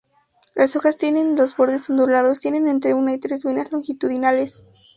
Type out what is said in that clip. Las hojas tienen los bordes ondulados, tienen entre una y tres venas longitudinales.